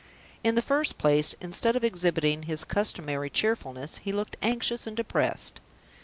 In the first place, instead of exhibiting his customary cheerfulness, he looked anxious and depressed.